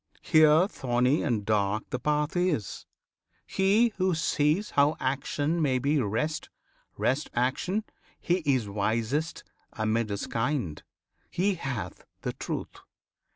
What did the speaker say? Here Thorny and dark the path is! He who sees How action may be rest, rest action he Is wisest 'mid his kind; he hath the truth!